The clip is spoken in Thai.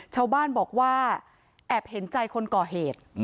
ชาวบ้านบอกว่าแอบเห็นใจคนก่อเหตุ